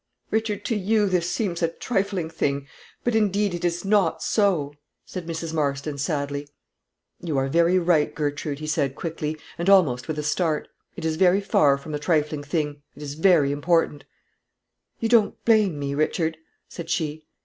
"Richard, to you this seems a trifling thing; but, indeed it is not so," said Mrs. Marston, sadly. "You are very right, Gertrude," he said, quickly, and almost with a start; "it is very far from a trifling thing; it is very important." "You don't blame me, Richard?" said she.